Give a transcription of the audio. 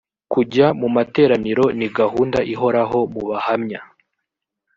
kujya mu materaniro ni gahunda ihoraho mu bahamya